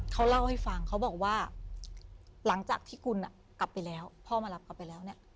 เขาเล่าให้ฟังเขาบอกว่าหลังจากที่คุณกลับไปแล้วพ่อมารับกลับไปแล้วเนี่ย